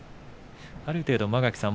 ある程度、間垣さん